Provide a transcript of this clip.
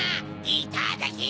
いただき！